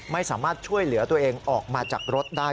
ไม่สามารถช่วยเหลือตัวเองออกมาจากรถได้